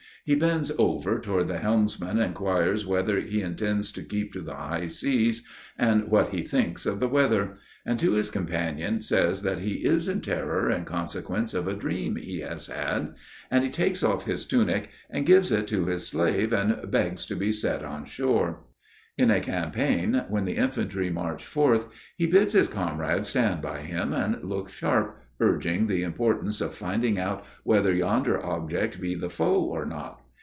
He bends over toward the helmsman and inquires whether he intends to keep to the high sea, and what he thinks of the weather; and to his companion says that he is in terror in consequence of a dream he has had; and he takes off his tunic and gives it to his slave, and begs to be set on shore. In a campaign, when the infantry march forth, he bids his comrades stand by him and look sharp, urging the importance of finding out whether yonder object be the foe or not.